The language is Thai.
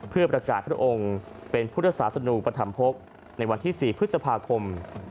เพื่อประกาศพระองค์เป็นพุทธศาสนูปธรรมภกในวันที่๔พฤษภาคม